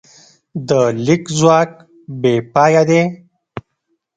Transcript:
د لیک ځواک بېپایه دی.